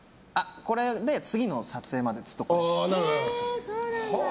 これで次の撮影までずっとこれです。